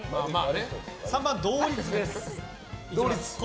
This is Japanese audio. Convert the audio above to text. ３番、同率です。